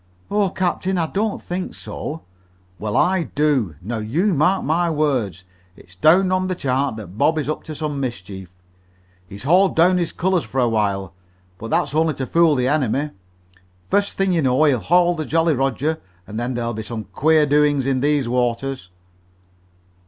"Oh, captain, I don't think so!" "Well, I do. Now you mark my words. It's down on the chart that Bob is up to some mischief. He's hauled down his colors for a while, but that's only to fool the enemy. First thing you know he'll hoist the Jolly Roger, and then there'll be some queer doings in these waters."